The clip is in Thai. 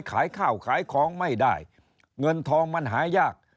ขายข้าวขายของไม่ได้เงินทองมันหายาก